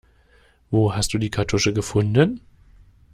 Wo hast du die Kartusche gefunden?